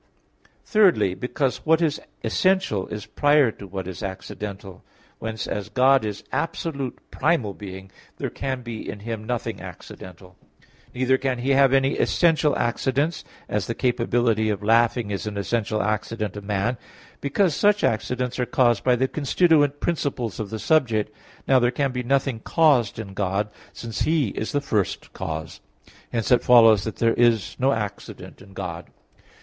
Thirdly, because what is essential is prior to what is accidental. Whence as God is absolute primal being, there can be in Him nothing accidental. Neither can He have any essential accidents (as the capability of laughing is an essential accident of man), because such accidents are caused by the constituent principles of the subject. Now there can be nothing caused in God, since He is the first cause. Hence it follows that there is no accident in God.